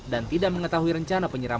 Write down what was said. dan tidak mengetahui rencana penyelidikan